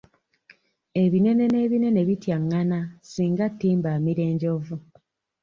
Ebinene n'ebinene bityaŋŋana, singa ttimba amira enjovu